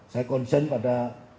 saya konsen pada